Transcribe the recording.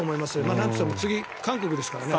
なんといっても次は韓国ですからね。